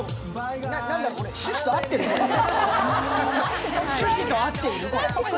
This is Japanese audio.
何だ、これ趣旨と合ってる？